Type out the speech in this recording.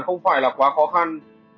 không phải là quá khó khăn